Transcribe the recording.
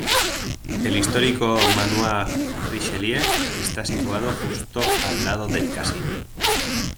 El histórico Manoir Richelieu está situado justo al lado del casino.